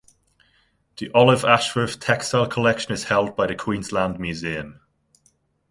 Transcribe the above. The Olive Ashworth Textile Collection is held by the Queensland Museum.